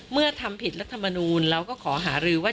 ทำผิดรัฐมนูลเราก็ขอหารือว่า